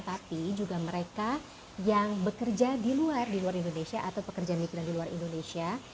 tapi juga mereka yang bekerja di luar indonesia atau pekerja migran di luar indonesia